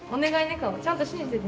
果緒ちゃんと信じてね